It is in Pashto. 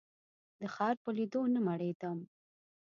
د ښار په لیدو نه مړېدم.